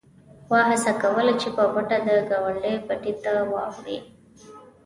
غوا هڅه کوله چې په پټه د ګاونډي پټي ته واوړي.